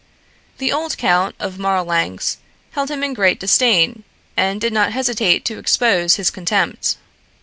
The old Count of Marlanx held him in great disdain, and did not hesitate to expose his contempt.